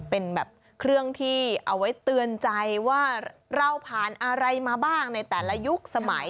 เป็นแบบเครื่องที่เอาไว้เตือนใจว่าเราผ่านอะไรมาบ้างในแต่ละยุคสมัย